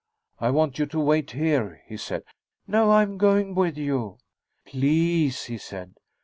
"I want you to wait here," he said. "No. I'm going with you." "Please," he said.